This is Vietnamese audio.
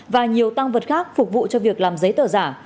và nhiều tăng vật khác phục vụ cho việc làm giấy tờ giả